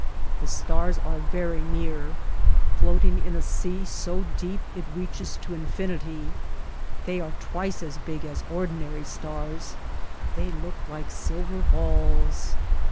The stars are very near, floating in a sea so deep it reaches to infinity; they are twice as big as ordinary stars, they look like silver balls.